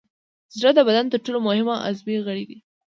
زړه د بدن تر ټولو مهم عضوي غړی دی.